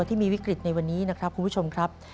ที่มีวิกฤตในวันนี้นะครับคุณผู้ชมครับ